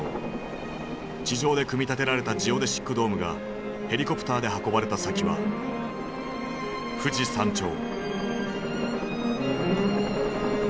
地上で組み立てられたジオデシックドームがヘリコプターで運ばれた先は富士山頂。